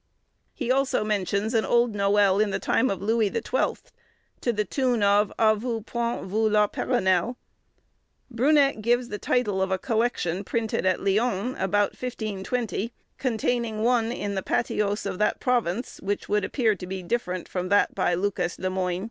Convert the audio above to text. _" He also mentions an old noël in the time of Louis the Twelfth, to the tune of "A vous point vu la Perronelle?" Brunet gives the title of a collection printed at Lyon, about 1520, containing one in the patois of that province, which would appear to be different from that by Lucas le Moigne.